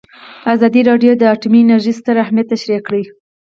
ازادي راډیو د اټومي انرژي ستر اهميت تشریح کړی.